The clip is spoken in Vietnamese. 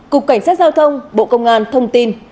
cục cảnh sát giao thông bộ công an thông tin